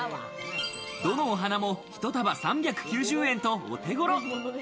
どのお花も一束３９０円とお手頃。